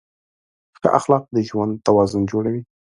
ښه اخلاق د ژوند توازن جوړوي.